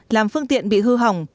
làm phương tiện bị hư hỏng